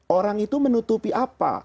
orang itu menutupi apa